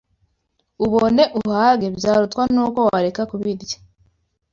ubone uhage byarutwa n’uko wareka kubirya.